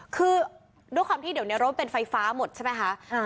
คือด้วยความที่เดี๋ยวในรถเป็นไฟฟ้าหมดใช่ไหมคะ